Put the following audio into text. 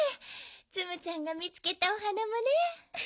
ツムちゃんがみつけたお花もね。